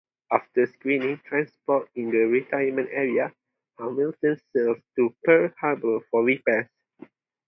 After screening transports in the retirement area, "Hamilton" sailed to Pearl Harbor for repairs.